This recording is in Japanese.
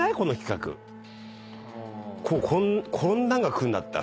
こんなんが来るんだったら。